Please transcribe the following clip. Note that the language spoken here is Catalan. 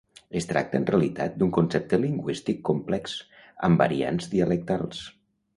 Es tracta en realitat d'un concepte lingüístic complex, amb variants dialectals.